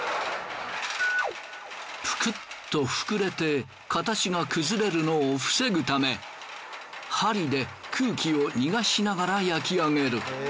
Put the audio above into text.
ぷくっと膨れて形が崩れるのを防ぐため針で空気を逃がしながら焼き上げる。